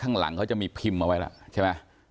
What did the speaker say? ข้างหลังเขาจะมีพิมพ์เอาไว้แล้วใช่ไหม